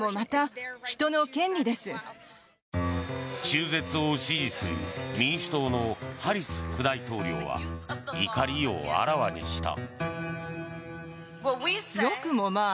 中絶を支持する民主党のハリス副大統領は怒りをあらわにした。